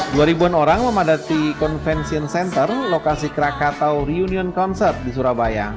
dua ribuan orang memadati convention center lokasi krakatau reunion concert di surabaya